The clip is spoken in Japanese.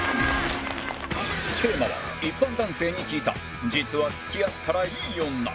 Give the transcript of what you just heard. テーマは一般男性に聞いた実は付き合ったらイイ女